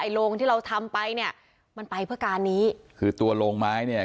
โรงที่เราทำไปเนี่ยมันไปเพื่อการนี้คือตัวโรงไม้เนี่ย